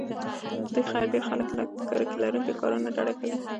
ډېری خلک له کرکې لرونکو کارونو ډډه کوي.